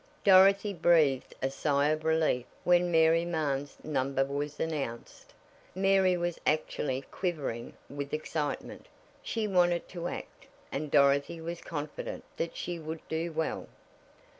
Dorothy breathed a sigh of relief when Mary Mahon's number was announced. Mary was actually quivering with excitement. She wanted to act, and Dorothy was confident that she would do well.